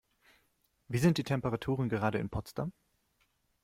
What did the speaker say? Wie sind die Temperaturen gerade in Potsdam?